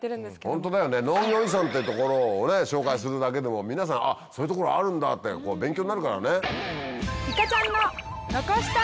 ホントだよね農業遺産って所をね紹介するだけでも皆さん「そういう所あるんだ」って勉強になるからね。